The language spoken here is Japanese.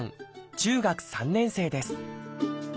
中学３年生です。